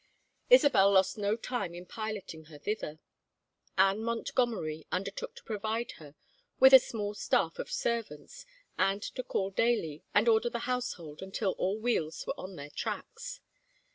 Isabel lost no time in piloting her thither. Anne Montgomery undertook to provide her with a small staff of servants, and to call daily and order the household until all wheels were on their tracks.